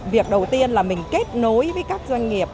việc đầu tiên là mình kết nối với các doanh nghiệp